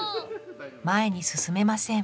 前に進めません